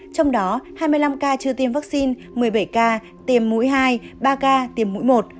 trong đó hai mươi năm ca chưa tiêm vaccine một mươi bảy ca tiềm mũi hai ba ca tiềm mũi một